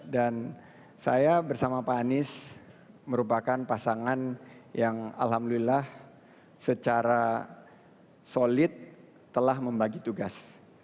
dan saya bersama pak anies merupakan pasangan yang alhamdulillah secara solid telah membagi tugas